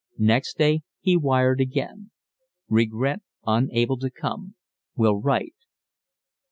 Next day he wired again. Regret, unable to come. Will write.